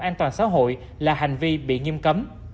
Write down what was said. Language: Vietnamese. an toàn xã hội là hành vi bị nghiêm cấm